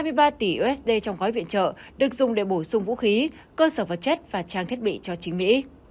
ngoài ra khoảng hai mươi ba tỷ usd trong gói viện trợ được dùng để bổ sung vũ khí cơ sở vật chất và trang thiết bị cho chính mỹ